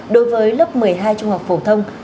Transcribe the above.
đối với lớp một mươi hai trung học phổ thông